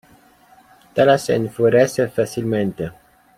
Tala se enfurece fácilmente.